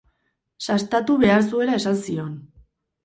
Sastatu behar zuela esan zion.